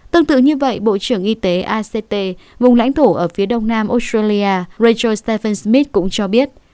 tương tự như vậy bộ trưởng y tế act vùng lãnh thổ ở phía đông nam australia reta stephen smith cũng cho biết